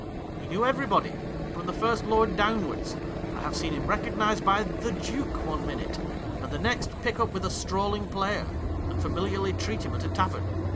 He knew everybody, from the First Lord downwards. I have seen him re cognised by the Duke one minute, and the next pick up with a strolling player, and familiarly treat him at a tavern.